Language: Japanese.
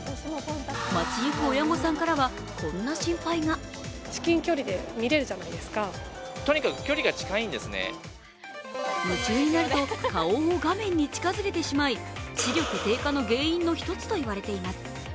街行く親御さんからは、こんな心配が夢中になると顔を画面に近づけてしまい視力低下の原因の一つと言われています。